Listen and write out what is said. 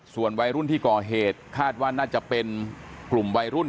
ส่วนวัยรุ่นที่ก่อเหตุคาดว่าน่าจะเป็นกลุ่มวัยรุ่น